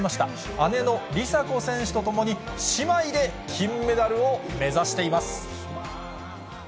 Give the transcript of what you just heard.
姉の梨紗子選手とともに、姉妹で金メダルを目指しています。